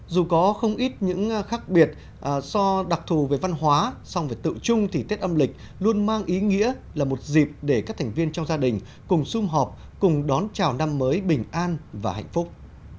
dù có không ít những khác biệt so đặc thù về văn hóa song việc tự chung thì tết âm lịch luôn mang ý nghĩa là một dịp để các thành viên trong gia đình cùng xung họp cùng đón chào năm mới bình an và hạnh phúc